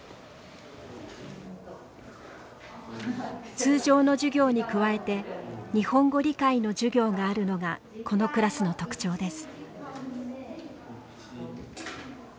通常の授業に加えて「日本語理解」の授業があるのがこのクラスの特徴です。